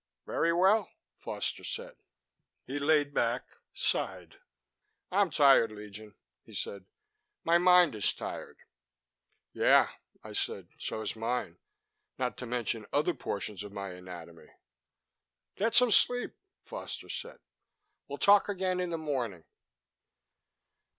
"Very well," Foster said. He lay back, sighed. "I'm tired, Legion," he said. "My mind is tired." "Yeah," I said, "so is mine not to mention other portions of my anatomy." "Get some sleep," Foster said. "We'll talk again in the morning."